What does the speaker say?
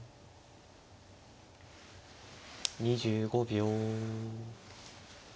２５秒。